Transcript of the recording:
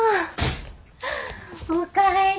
お帰り。